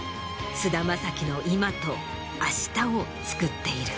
菅田将暉の今と明日をつくっている。